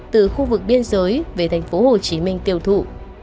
từ khu vực biên giới về thành phố hồ chí minh tiêu thụ